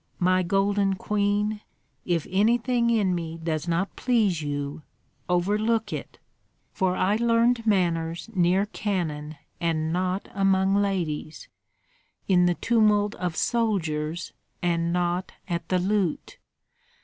My golden queen, if anything in me does not please you, overlook it; for I learned manners near cannon and not among ladies, in the tumult of soldiers and not at the lute.